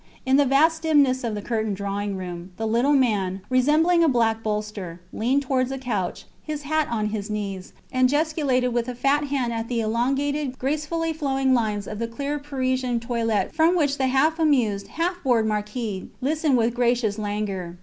In the vast dimness of the curtained drawing room, the little man, resembling a black bolster, leaned towards a couch, his hat on his knees, and gesticulated with a fat hand at the elongated, gracefully flowing lines of the clear Parisian toilette from which the half amused, half bored marquise listened with gracious languor.